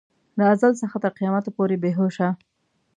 له ازل څخه تر قیامته پورې بې هوشه.